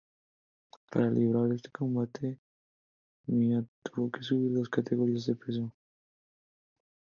Para librar este combate, Mia tuvo que subir dos categorías de peso.